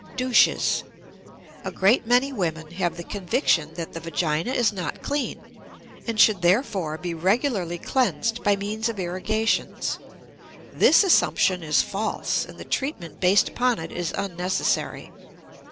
DOUCHES. A great many women have the conviction that the vagina is not clean and should, therefore, be regularly cleansed by means of irrigations. This assumption is false and the treatment based upon it is unnecessary.